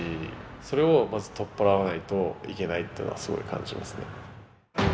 それを、まず取っ払わないといけないっていうのはすごい感じますね。